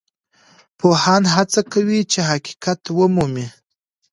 پوهان هڅه کوي چي حقیقت ومومي.